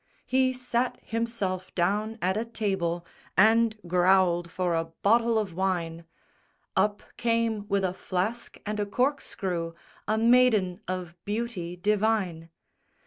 He sat himself down at a table, And growled for a bottle of wine; Up came with a flask and a corkscrew A maiden of beauty divine.